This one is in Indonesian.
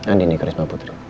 andin ekarisma putri